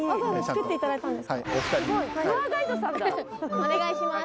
お願いします。